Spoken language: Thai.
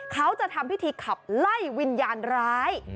เขาจะทำพิธีขับไล่วิญญาณร้าย